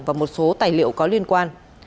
và một số tài liệu có liên quan